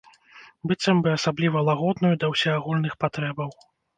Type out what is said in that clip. Быццам бы асабліва лагодную да ўсеагульных патрэбаў.